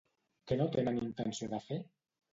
Què no tenen intenció de fer?